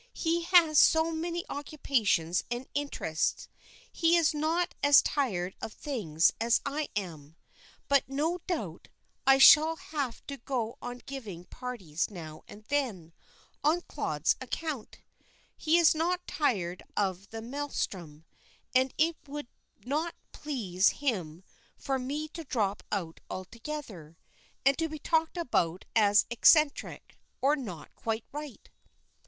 "He has so many occupations and interests. He is not as tired of things as I am. But no doubt I shall have to go on giving parties now and then, on Claude's account. He is not tired of the maelstrom, and it would not please him for me to drop out altogether, and to be talked about as eccentric, or 'not quite right.'"